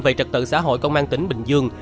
về trật tự xã hội công an tỉnh bình dương